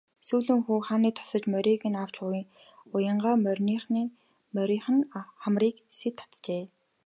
Сүүлэн хүү хааны тосож морийг нь авч уянгаа мориных нь хамрыг сэт татжээ.